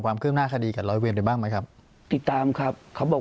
ว่าได้ยังภัพธีรเเริงบ้างมั้ยครับ